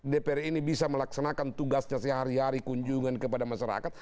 dpr ini bisa melaksanakan tugas jasi hari hari kunjungan kepada masyarakat